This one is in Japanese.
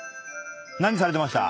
何されてました？